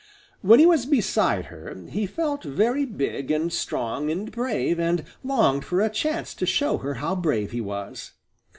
When he was beside her, he felt very big and strong and brave and longed for a chance to show her how brave he was.